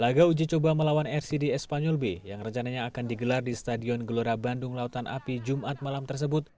laga uji coba melawan rcd espanyol b yang rencananya akan digelar di stadion gelora bandung lautan api jumat malam tersebut